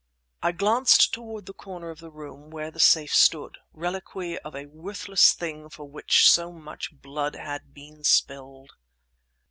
I glanced toward the corner of the room where the safe stood, reliquary of a worthless thing for which much blood had been spilled.